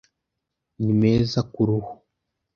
Ni meza ku ruhu